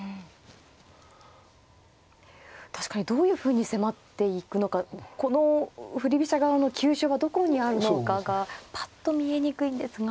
確かにどういうふうに迫っていくのかこの振り飛車側の急所がどこにあるのかがぱっと見えにくいんですが。